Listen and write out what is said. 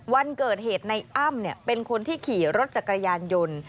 วันเกิดเหตุในอ้ำเป็นคนที่ขี่รถจักรยานยนต์